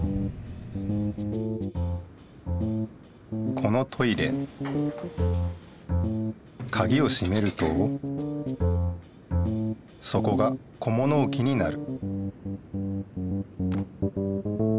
このトイレカギをしめるとそこが小物置きになる